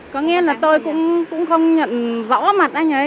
có nghĩa là tôi cũng không nhận rõ mặt anh ấy